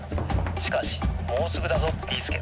しかしもうすぐだぞビーすけ！」。